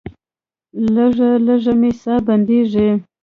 لږه لږه مې ساه بندیږي.